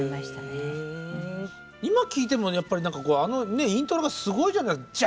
今聴いてもあのイントロがすごいじゃないですか。